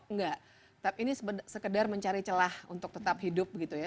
enggak tapi ini sekedar mencari celah untuk tetap hidup begitu ya